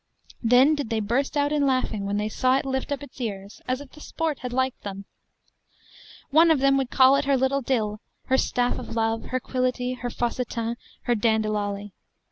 Then did they burst out in laughing, when they saw it lift up its ears, as if the sport had liked them. One of them would call it her little dille, her staff of love, her quillety, her faucetin, her dandilolly.